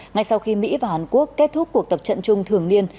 ngay sau khi mỹ và hàn quốc kết thúc cuộc tập trận chung thường niên